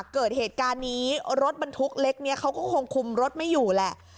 เกิดเหตุการณ์นี้รถบรรทุกเล็กเนี่ยเขาก็คงคุมรถไม่อยู่แหละ